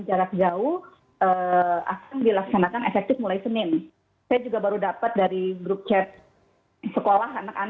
jarak jauh akan dilaksanakan efektif mulai senin saya juga baru dapat dari grup chat sekolah anak